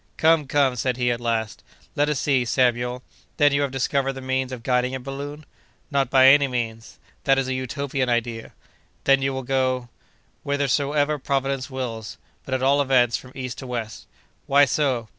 "Come, come," said he, at last. "Let us see, Samuel. Then you have discovered the means of guiding a balloon?" "Not by any means. That is a Utopian idea." "Then, you will go—" "Whithersoever Providence wills; but, at all events, from east to west." "Why so?"